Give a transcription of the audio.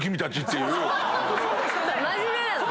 真面目なの。